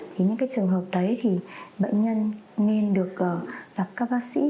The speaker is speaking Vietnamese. thì những cái trường hợp đấy thì bệnh nhân nên được gặp các bác sĩ